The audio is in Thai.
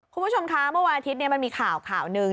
คุณผู้ชมคะเมื่อวันอาทิตย์มันมีข่าวข่าวหนึ่ง